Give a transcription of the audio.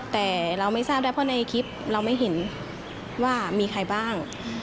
แต่เราไม่ทราบได้เพราะในคลิปเราไม่เห็นว่ามีใครบ้าง